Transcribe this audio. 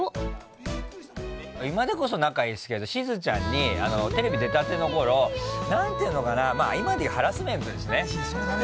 今でこそ、仲いいですけど、しずちゃんにテレビ出たてのころ、なんていうのかな、今でいうハラスメントですね。